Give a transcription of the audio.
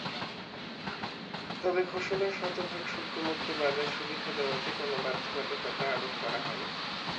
তবে ঘোষণায় শতভাগ শুল্কমুক্ত বাজারসুবিধা দেওয়াতে কোনো বাধ্যবাধকতা আরোপ করা হয়নি।